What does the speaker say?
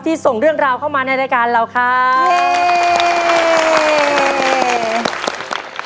ส่งเรื่องราวเข้ามาในรายการเราครับ